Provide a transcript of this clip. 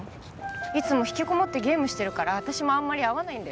いつも引きこもってゲームしてるから私もあんまり会わないんだよね。